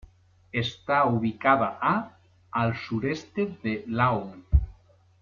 Está ubicada a al sureste de Laon.